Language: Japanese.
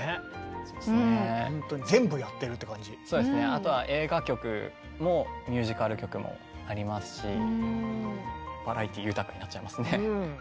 あとは映画曲もミュージカル曲もありますしバラエティー豊かになっちゃいますね。